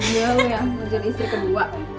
iya lo yang mau jadi istri kedua